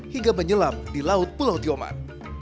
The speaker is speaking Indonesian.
hingga menyelam di laut pulau tioman